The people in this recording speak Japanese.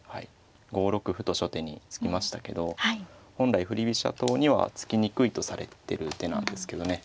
５六歩と初手に突きましたけど本来振り飛車党には突きにくいとされてる手なんですけどね。